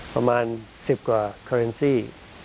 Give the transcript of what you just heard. ประมาณ๑๐กว่าคาเรนซี่